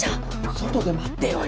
外で待ってようよ。